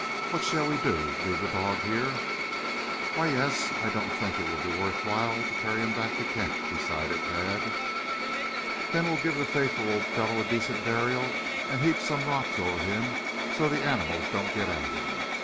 What shall we do, leave the dog here?" "Why, yes, I don't think it will be worth while to carry him back to camp," decided Tad. "Then we'll give the faithful old fellow a decent burial and heap some rocks over him so the animals don't get at him.